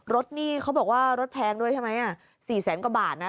รถนี่เขาบอกว่ารถแพงด้วยใช่ไหมอ่ะสี่แสนกว่าบาทน่ะ